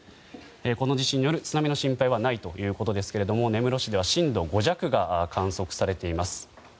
この地震による津波の心配はないということですが根室市では震度５弱が観測されています。